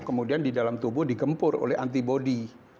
kemudian di dalam tubuh digempur oleh antibody